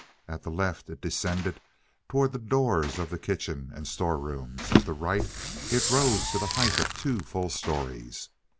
At the left it descended toward the doors of the kitchen and storerooms; at the right it rose to the height of two full stories.